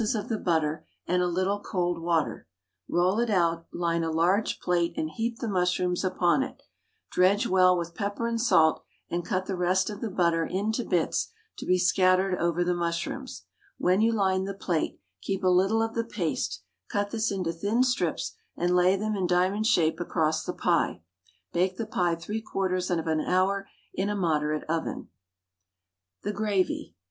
of the butter, and a little cold water; roll it out, line a large plate and heap the mushrooms upon it, dredge well with pepper and salt, and cut the rest of the butter into bits to be scattered over the mushrooms; when you line the plate, keep a little of the paste, cut this into thin strips and lay them in diamond shape across the pie; bake the pie 3/4 hour in a moderate oven. The Gravy.